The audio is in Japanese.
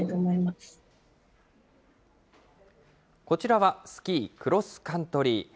こちらはスキークロスカントリー。